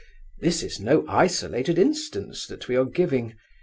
This is no isolated instance that we are giving.